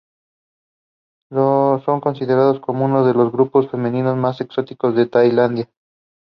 He later served as Chair of the Department of Chemistry of Wuhan University.